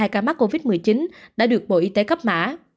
một mươi tám trăm một mươi hai ca mắc covid một mươi chín đã được bộ y tế cấp mã